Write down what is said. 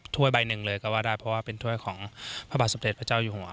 ใบหนึ่งเลยก็ว่าได้เพราะว่าเป็นถ้วยของพระบาทสมเด็จพระเจ้าอยู่หัว